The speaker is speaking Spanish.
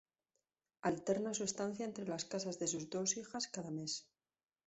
Alterna su estancia entre las casas de sus dos hijas cada mes.